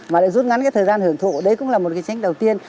mà lại rút ngắn cái thời gian hưởng thụ đấy cũng là một cái tránh đầu tiên